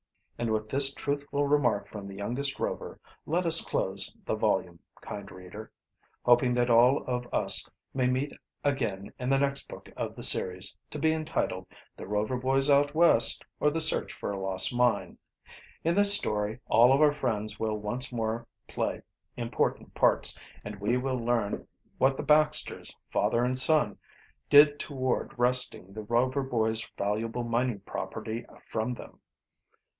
And with this truthful remark from the youngest Rover, let us close this volume, kind reader, hoping that all of us may meet again in the next book of the series, to be entitled, "The Rover Boys Out West; or, The Search for a Lost Mine." In this story all of our friends will once more play important parts, and we will learn what the Baxters, father and son, did toward wresting the Rover Boys' valuable mining property from them.